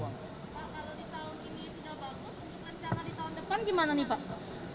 pak kalau di tahun ini sudah bagus untuk rencana di tahun depan gimana nih pak